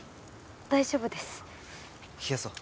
大丈夫です冷やそう